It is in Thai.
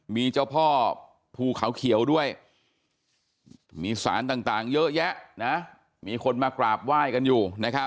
มีเจ้าพ่อภูเขาเขียวด้วยมีสารต่างเยอะแยะนะมีคนมากราบไหว้กันอยู่